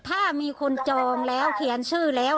ถ้ามีคนจองแล้วเขียนชื่อแล้ว